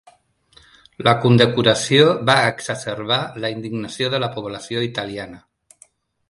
La condecoració va exacerbar la indignació de la població italiana.